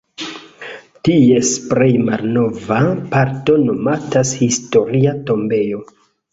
Ties plej malnova parto nomatas "Historia tombejo".